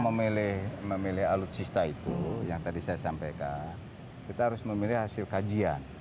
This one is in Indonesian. memilih alutsista itu yang tadi saya sampaikan kita harus memilih hasil kajian